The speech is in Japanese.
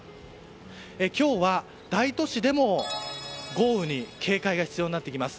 今日は大都市でも豪雨に警戒が必要になってきます。